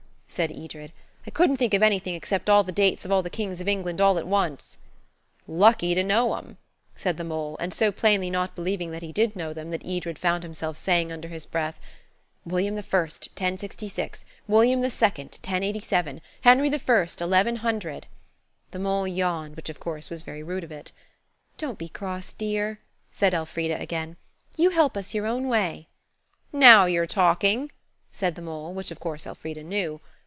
said Edred. "I couldn't think of anything except all the dates of all the kings of England all at once." "Lucky to know 'em," said the mole, and so plainly not believing that he did know them that Edred found himself saying under his breath, "William the First, 1066; William the Second, 1087; Henry the First, 1100." The mole yawned, which, of course, was very rude of it. "Don't be cross, dear," said Elfrida again; "you help us your own way." "Now you're talking," said the mole, which, of course, Elfrida knew.